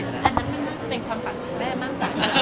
อันนั้นมันน่าจะเป็นความฝันของแม่มากกว่า